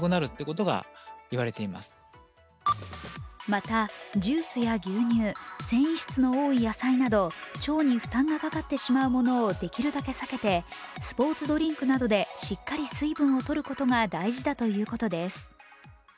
また、オレンジジュース、牛乳、繊維質の多い野菜など腸に負担がかかってしまうためできるだけ避けてスポーツドリンクなどでしっかり水分をとることが大事だということです。